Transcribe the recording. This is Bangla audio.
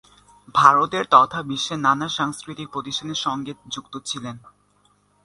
ভারতের তথা বিশ্বের নানা সাংস্কৃতিক প্রতিষ্ঠানের সঙ্গে যুক্ত ছিলেন।